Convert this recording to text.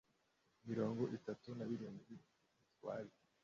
mirongo itatu na birindwi zitwaje